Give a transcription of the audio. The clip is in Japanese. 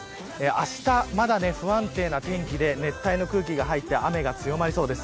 あしたはまだ不安定な天気で熱帯の空気が入って雨が強まりそうです。